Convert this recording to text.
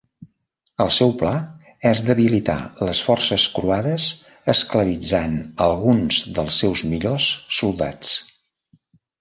El seu pla és debilitar les forces croades esclavitzant alguns dels seus millors soldats.